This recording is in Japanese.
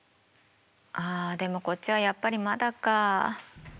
あでもこっちはやっぱりまだか。